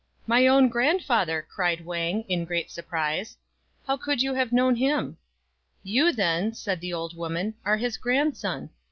"My own grandfather!" cried Wang, in great surprise ;" how could you have known him?" "You, then" said the old woman, "are his grandson.